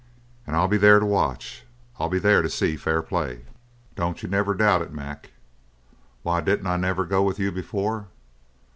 "An' I'll be there to watch. I'll be there to see fair play, don't you never doubt it, Mac. Why didn't I never go with you before?